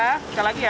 masuk lagi ya